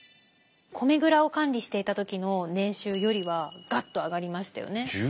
米蔵を管理していた時の年収よりはがっと上がりましたよね。